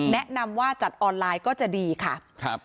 แนะนำว่าจัดออนไลน์ก็จะดีค่ะครับ